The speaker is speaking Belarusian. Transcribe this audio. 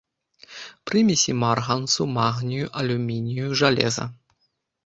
Прымесі марганцу, магнію, алюмінію, жалеза.